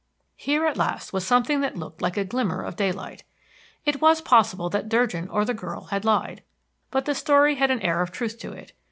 Here, at last, was something that looked like a glimmer of daylight. It was possible that Durgin or the girl had lied; but the story had an air of truth to it.